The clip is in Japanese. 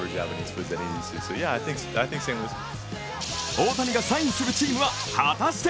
大谷がサインするチームは、果たして？